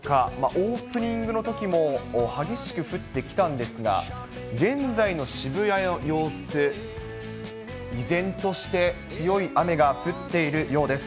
オープニングのときも激しく降ってきたんですが、現在の渋谷の様子、依然として、強い雨が降っているようです。